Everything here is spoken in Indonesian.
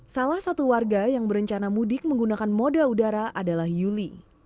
salah satu warga yang berencana mudik menggunakan moda udara adalah yuli